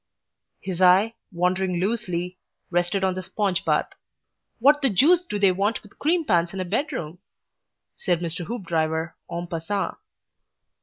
His eye, wandering loosely, rested on the sponge bath. "What the juice do they want with cream pans in a bedroom?" said Mr. Hoopdriver, en passant.